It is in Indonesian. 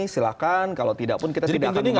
silakan kalau tidak pun kita tidak akan mengirimkan